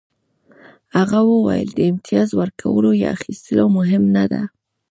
هغه وویل د امتیاز ورکول یا اخیستل مهمه نه ده